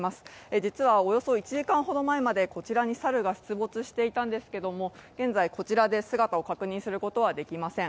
実はおよそ１時間ほど前までこちらに猿が出没していたんですが現在こちらで姿を確認することはできません。